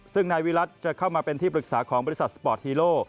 ซึ่งนายวิรัติจะเข้ามาเป็นที่ปรึกษาของบริษัทสปอร์ตฮีโร่